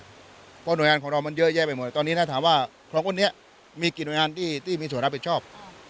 เพราะหน่วยงานของเรามันเยอะแยะไปหมดตอนนี้นะถามว่าสองคนนี้มีกี่หน่วยงานที่มีส่วนรับผิดชอบ